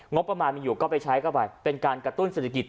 งบประมาณมีอยู่ก็ไปใช้เข้าไปเป็นการกระตุ้นเศรษฐกิจ